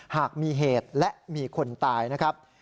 หากมีเหตุและมีคนตายนะครับ